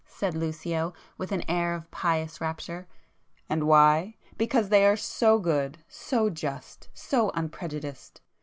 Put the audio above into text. said Lucio with an air of pious rapture—"and why? Because they are so good, so just, so unprejudiced!